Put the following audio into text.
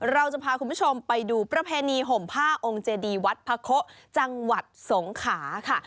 เราจะพาคุณผู้ชมไปดูประเพณีห่มผ้าองค์เจดีวัดพระโคจังหวัดสงขาค่ะ